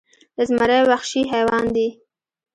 زمری وخشي حیوان دې